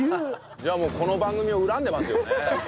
じゃあもうこの番組を恨んでますよね。